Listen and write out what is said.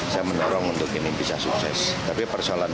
campur soal masalah lelah